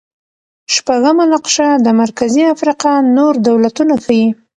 شپږمه نقشه د مرکزي افریقا نور دولتونه ښيي.